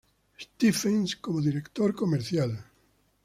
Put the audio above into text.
Stephens como director comercial.